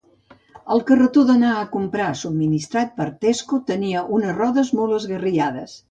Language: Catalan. El carretó d'anar a comprar subministrat per Tesco tenia unes rodes molt esgarriades